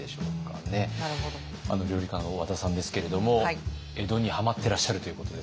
料理家の和田さんですけれども江戸にはまってらっしゃるということですが。